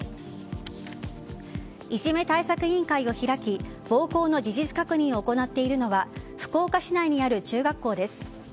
いじめ対策委員会を開き暴行の事実確認を行っているのは福岡市内にある中学校です。